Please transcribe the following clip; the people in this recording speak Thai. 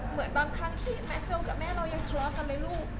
เหมือนบางครั้งที่แมทเชลกับแม่เรายังทะเลาะกันเลยลูก